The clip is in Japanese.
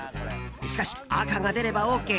しかし、赤が出ればＯＫ。